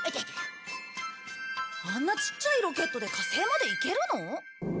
あんなちっちゃいロケットで火星まで行けるの？